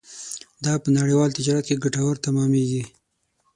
دا په نړیوال تجارت کې ګټور تمامېږي.